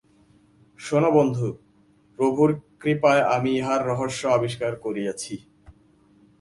শোন বন্ধু, প্রভুর কৃপায় আমি ইহার রহস্য আবিষ্কার করিয়াছি।